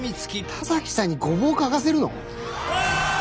田崎さんにごぼう嗅がせるの？